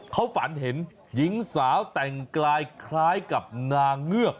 เขาฝันเห็นหญิงสาวแต่งกายคล้ายกับนางเงือก